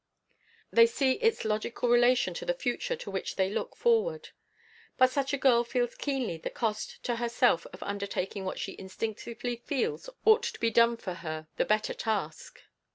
They see its logical relation to the future to which they look forward. But such a girl feels keenly the cost to herself of undertaking what she instinctively feels ought to be for her the better task.